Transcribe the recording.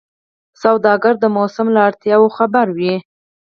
سوداګر د موسم له اړتیاوو خبر وي.